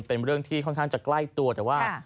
เป็นเรื่องที่ค่อนข้างจะใกล้ตัวแต่ว่า